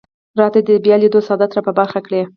راته دې د بیا لیدو سعادت را په برخه کړي.